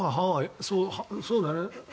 そうだね。